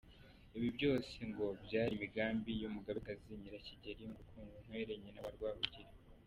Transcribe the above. Ibi byose ngo byari imigambi y’umugabekazi Nyirakigeli Murorunkwere nyina wa Rwabugili.